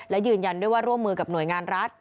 และยืนยันด้วยว่าร่วมมือกับหน่วยงานรัฐ